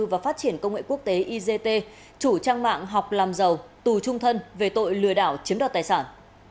và phát triển công nghệ quốc tế igt chủ trang mạng học làm giàu tù trung thân về tội lừa đảo chiếm đoạt tài sản